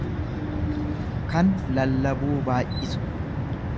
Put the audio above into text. kan lallabuu baay'isu.